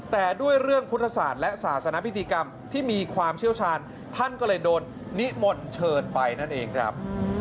แต่ด้วยเรื่องพุทธศาสตร์และศาสนพิธีกรรมที่มีความเชี่ยวชาญท่านก็เลยโดนนิมนต์เชิญไปนั่นเองครับ